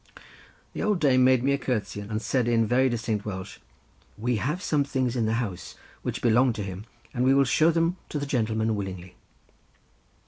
The old dame made me a curtsey and said in very distinct Welsh, "We have some things in the house which belonged to him, and we will show them to the gentleman willingly."